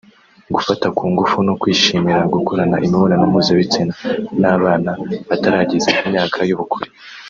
gufata ku ngufu no kwishimira gukorana imibonano mpuzabitsina n’abana batarageza imyaka y’ubukure